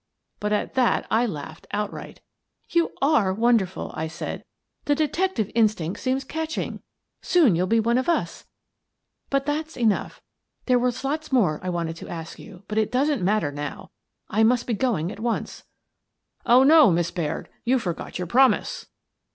But at that I laughed outright. "You are wonderful!" I said. "The detective instinct seems catching. Soon you'll be one of us. But that's enough. There was lots more I wanted to ask you, but it doesn't matter now. I must be going at once." "Oh, no, Miss Baird! You forget your promise."